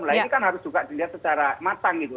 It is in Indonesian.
nah ini kan harus juga dilihat secara matang gitu